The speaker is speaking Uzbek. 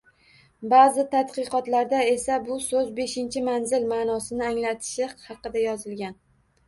Ba’zi tadqiqotlarda esa bu so‘z “beshinchi manzil” ma’nosini anglatishi haqida yozilgan.